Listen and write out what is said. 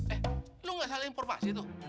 eh lo gak salah informasi tuh